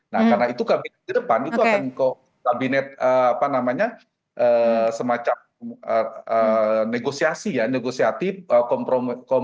nah karena itu kabinet di depan itu akan kabinet semacam negosiasi ya negosiatif